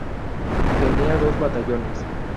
Tenía dos batallones.